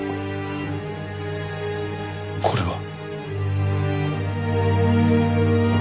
これは。